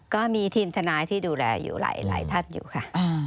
ก็มีทีมทนายที่ดูแลหลายทัศน์อยู่ค่ะ